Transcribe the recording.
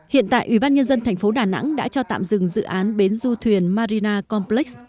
hiện tại ủy ban nhân dân thành phố đà nẵng đã cho tạm dừng dự án bến du thuyền marina complex